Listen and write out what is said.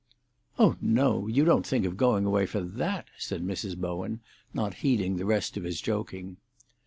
"Oh no; you don't think of going away for that!" said Mrs. Bowen, not heeding the rest of his joking.